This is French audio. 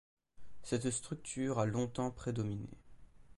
Cette structure a longtemps prédominé.